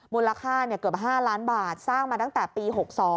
มูลค่าเกือบ๕ล้านบาทสร้างมาตั้งแต่ปี๖๒